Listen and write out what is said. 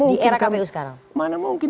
di era kpu sekarang mana mungkin